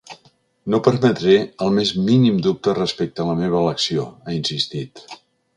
No permetré el més mínim dubte respecte a la meva elecció, ha insistit.